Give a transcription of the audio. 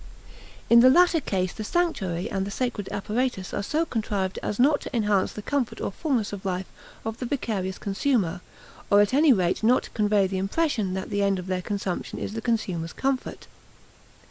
In the latter case the sanctuary and the sacred apparatus are so contrived as not to enhance the comfort or fullness of life of the vicarious consumer, or at any rate not to convey the impression that the end of their consumption is the consumer's comfort.